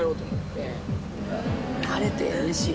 晴れてうれしい。